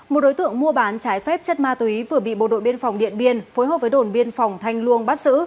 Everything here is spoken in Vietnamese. một đối tượng mua bán trái phép chất ma túy vừa bị bộ đội biên phòng điện biên phối hợp với đồn biên phòng thanh luông bắt giữ